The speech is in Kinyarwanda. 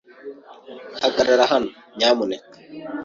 Hagarara hano, nyamuneka.